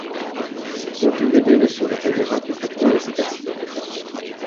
Aucun des deux ne se rétablira complètement de cet accident.